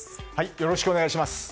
よろしくお願いします。